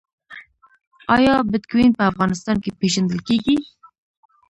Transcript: آیا بټکوین په افغانستان کې پیژندل کیږي؟